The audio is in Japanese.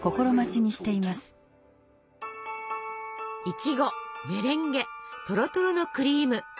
いちごメレンゲとろとろのクリーム。